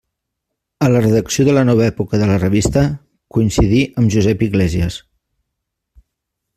A la redacció de la nova època de la revista coincidí amb Josep Iglésies.